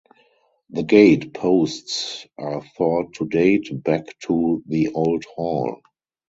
The gate posts are thought to date back to the Old Hall.